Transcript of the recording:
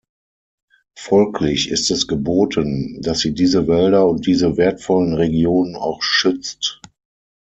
Folglich ist es geboten, dass sie diese Wälder und diese wertvollen Regionen auch schützt.